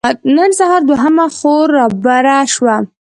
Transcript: نن سهار دوهمه خور رابره شوه.